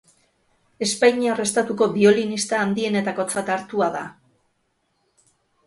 Espainiar estatuko biolinista handienetakotzat hartua da.